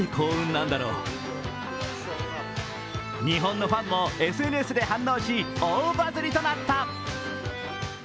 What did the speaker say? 日本のファンもＳＮＳで反応し、大バズりとなった。